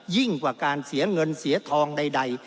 ยิ่งกว่าการเสียเงินเสียทองใด